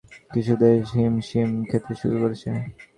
বৃদ্ধ মানুষের ভারে পৃথিবীর বেশ কিছু দেশ হিমশিম খেতে শুরু করেছে।